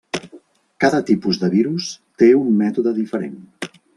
Cada tipus de virus té un mètode diferent.